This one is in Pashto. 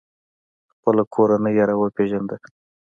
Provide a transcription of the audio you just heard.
خپله کورنۍ یې را وپیژنده.